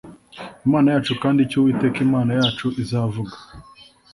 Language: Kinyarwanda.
Imana yacu kandi icyo uwiteka imana yacu izavuga